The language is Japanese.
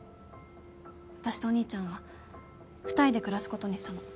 私とお兄ちゃんは２人で暮らすことにしたの。